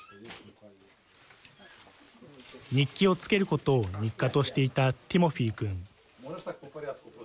日記をつけることを日課としていたティモフィ君。